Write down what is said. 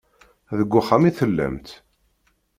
Deg uxxam i tellamt.